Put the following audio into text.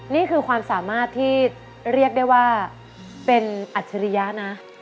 นี่คือความสามารถที่เรียกได้ว่าเป็นอัจฉริยะนะ